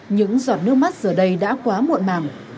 những giọt nước mắt giờ đây đã quá muộn màng